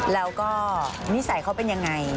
แล้วก็นิสัยเขาเป็นยังไง